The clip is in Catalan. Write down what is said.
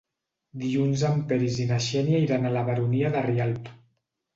Dilluns en Peris i na Xènia iran a la Baronia de Rialb.